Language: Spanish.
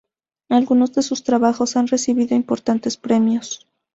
Algunos de sus trabajos han recibido importantes premios.